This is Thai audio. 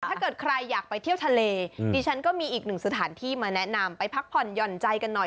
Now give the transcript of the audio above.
ถ้าเกิดใครอยากไปเที่ยวทะเลดิฉันก็มีอีกหนึ่งสถานที่มาแนะนำไปพักผ่อนหย่อนใจกันหน่อย